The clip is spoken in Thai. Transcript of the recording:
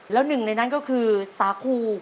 แล้วหนึ่งในนั้นก็คือสาคู